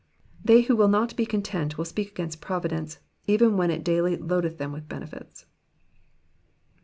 They who will not be content will speak against providence even when it daily loadeth them with beneflts.